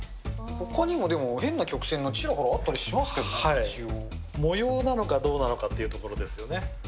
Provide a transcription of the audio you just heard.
ほかにも変な曲線の、ちらほ模様なのかどうなのかっていうところですよね。